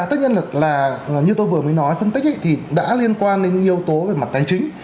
tất nhiên là như tôi vừa mới nói phân tích thì đã liên quan đến yếu tố về mặt tài chính